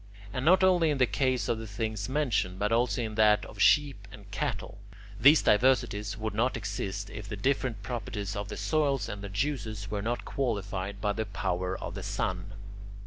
And not only in the case of the things mentioned, but also in that of sheep and cattle. These diversities would not exist if the different properties of soils and their juices were not qualified by the power of the sun.